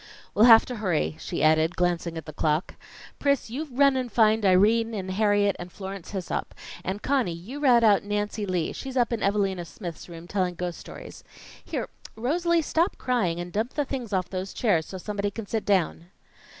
"We'll have to hurry," she added, glancing at the clock. "Pris, you run and find Irene and Harriet and Florence Hissop; and Conny, you route out Nancy Lee she's up in Evalina Smith's room telling ghost stories. Here, Rosalie, stop crying and dump the things off those chairs so somebody can sit down."